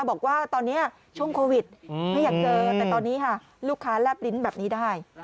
บอกว่าตอนนี้ช่วงโควิดไม่อยากเจอแต่ตอนนี้ค่ะลูกค้าแลบลิ้นแบบนี้ได้